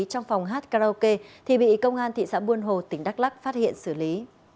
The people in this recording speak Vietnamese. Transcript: trong phòng hát karaoke thì bị công an thị xã buôn hồ tỉnh đắk lắc phát hiện xử lý